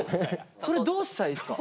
それどうしたらいいっすか？